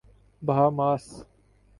Bahamas